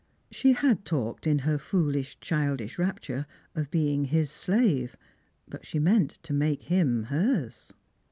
She had talked, in her foolish childish rapture, of being his slave; but she meant to make him hers.